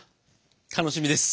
楽しみです。